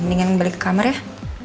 mendingan balik ke kamar ya